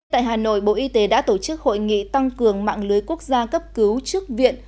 tại hà nội bộ y tế đã tổ chức hội nghị tăng cường mạng lưới quốc gia cấp cứu trước viện